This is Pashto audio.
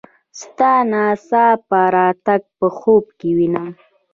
ستا ناڅاپه راتګ په خوب کې وینم.